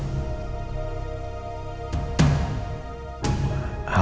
terima kasih pak